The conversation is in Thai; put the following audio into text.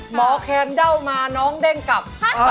แคนเดามาน้องเด้งกลับ